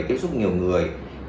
tiếp xúc nhiều người